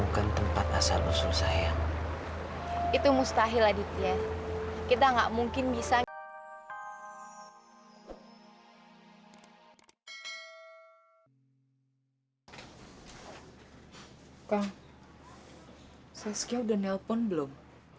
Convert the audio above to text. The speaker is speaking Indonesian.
kang saskia udah nelpon belum